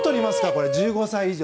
これ、１５歳以上。